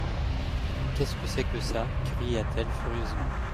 Qu'est-ce que c'est que ça ? cria-t-elle furieusement.